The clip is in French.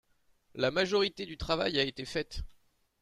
La majorité du travail a été faite.